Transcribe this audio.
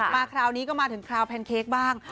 คราวนี้ก็มาถึงคราวแพนเค้กบ้าง